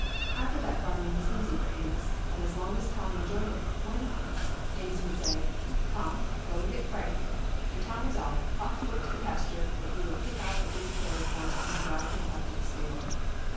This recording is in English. After that farming was easy for Amos, and as long as Tom enjoyed it, why not? Amos would say: "Tom, go and get Frank," and Tom was off, hot foot to the pasture, where he would pick out the big carriage horse, and drive him up to the stable.